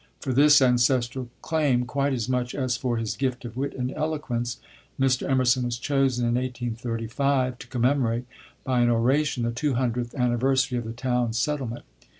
For this ancestral claim, quite as much as for his gift of wit and eloquence, Mr. Emerson was chosen, in 1835, to commemorate by an oration the two hundredth anniversary of the town settlement.